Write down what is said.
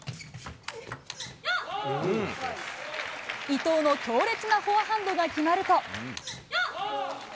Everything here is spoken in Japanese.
伊藤の強烈なフォアハンドが決まると。